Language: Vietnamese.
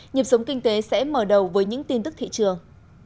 nhịp sống kinh tế sẽ mở đầu với những tin tức thị trường